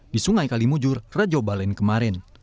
di sungai kalimujur rajobalin kemarin